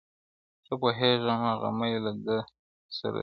• ښه پوهېږمه غمی له ده سره دی,